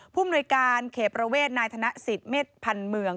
ภูมิในการเขประเวทนายธนสิทธิ์เมษภัณฑ์เมือง